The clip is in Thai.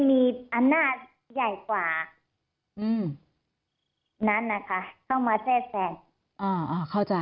แค่เรื่องคดีก็เกลียวอะไรแล้วกัน